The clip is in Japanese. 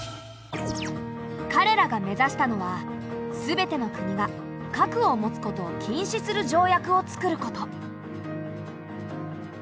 かれらが目指したのはすべての国が核を持つことを禁止する条約を作ること。